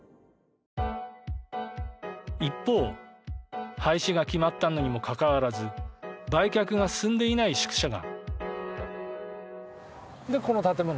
一方廃止が決まったのにもかかわらず売却が進んでいない宿舎が。